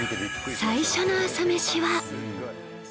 最初の朝メシは